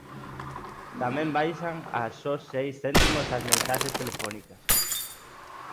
Tamén baixan a só seis céntimos as mensaxes telefónicas.